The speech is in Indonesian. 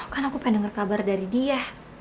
kan aku pengen dengar kabar dari dia